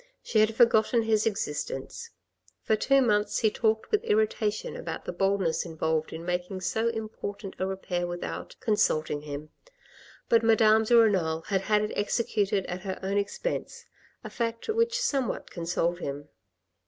She had forgotten his existence. For two months he talked with irritation about the boldness involved in making so important a repair without consulting him, but Madame de Renal had had it executed at her own expense, a fact which somewhat consoled him.